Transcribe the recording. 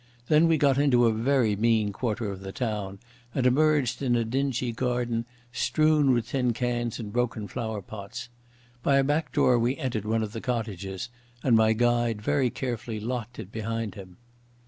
Then we got into a very mean quarter of the town, and emerged in a dingy garden, strewn with tin cans and broken flowerpots. By a back door we entered one of the cottages and my guide very carefully locked it behind him.